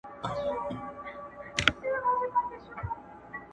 انډیوالۍ کي احسان څۀ ته وایي ،